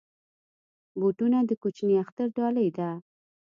بوټونه د کوچني اختر ډالۍ ده.